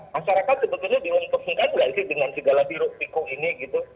masyarakat sebetulnya diuntungkan nggak sih dengan segala biru pikuk ini gitu